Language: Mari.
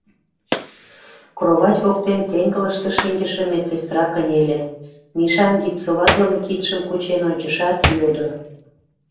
Кровать воктен теҥгылыште шинчыше медсестра кынеле, Мишан гипсоватлыме кидшым кучен ончышат, йодо: